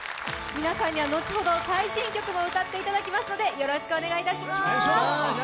皆さんには後ほど最新曲も歌っていただきますのでよろしくお願いします！